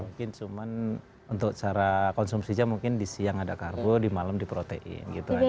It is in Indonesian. mungkin untuk cara konsumsi aja mungkin di siang ada karbo di malam di protein gitu aja